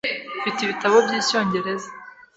Mfite ibitabo byicyongereza .